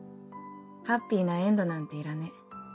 ハッピーなエンドなんていらね。